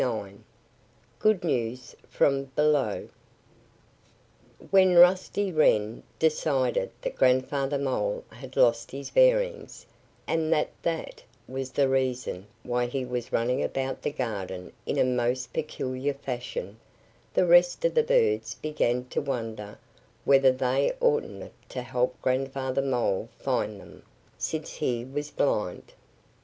IX GOOD NEWS FROM BELOW WHEN Rusty Wren decided that Grandfather Mole had lost his bearings and that that was the reason why he was running about the garden in a most peculiar fashion, the rest of the birds began to wonder whether they oughtn't to help Grandfather Mole find them, since he was blind.